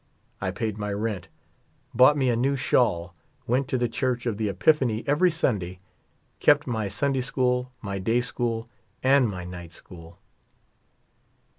I paid my rent ; bought 28 lue a new shawl : went to the Church of the Epiphany ever}^ Sunda}^ ; kept my Sunday school, my da}' school, and my night school.